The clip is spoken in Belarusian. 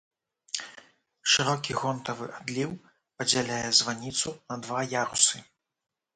Шырокі гонтавы адліў падзяляе званіцу на два ярусы.